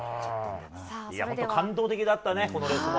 感動的だったね、このレースも。